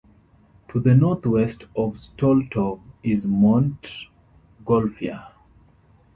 To the northwest of Stoletov is Montgolfier.